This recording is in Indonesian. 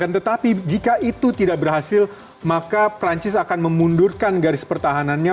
tetapi jika itu tidak berhasil maka perancis akan memundurkan garis pertahanannya